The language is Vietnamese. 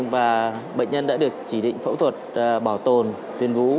và bệnh nhân đã được chỉ định phẫu thuật bảo tồn tuyên vú